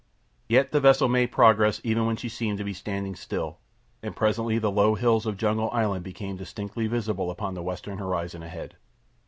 Yet the vessel made progress even when she seemed to be standing still, and presently the low hills of Jungle Island became distinctly visible upon the western horizon ahead.